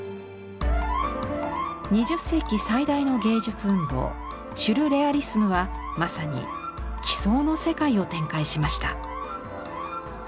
２０世紀最大の芸術運動シュルレアリスムはまさに奇想の世界を展開しました。